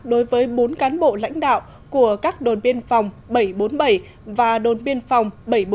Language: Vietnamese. đối với bốn cán bộ lãnh đạo của các đồn biên phòng bảy trăm bốn mươi bảy và đồn biên phòng bảy trăm bốn mươi bảy